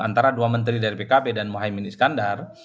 antara dua menteri dari pkb dan mohaimin iskandar